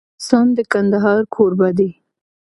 افغانستان د کندهار کوربه دی.